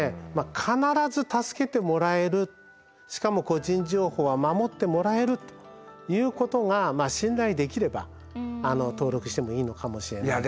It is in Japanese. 必ず助けてもらえるしかも個人情報は守ってもらえるということが信頼できれば登録してもいいのかもしれないですけど。